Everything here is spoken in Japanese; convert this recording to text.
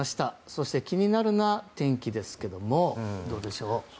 そして気になるのは天気ですけどもどうでしょう。